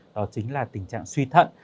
đó chính là tình trạng suy thận